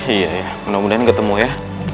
iya ya mudah mudahan ketemu ya